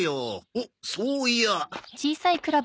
おっそういや。